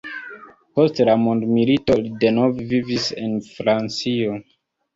Post la mondomilito li denove vivis en Francio.